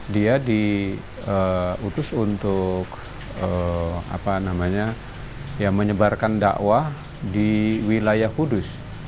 dia diutus untuk menyebarkan da wah di wilayah kudus